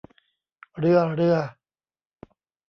เรือ เรือ